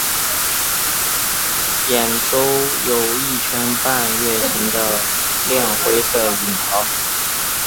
眼周有一圈半月形的亮灰色羽毛。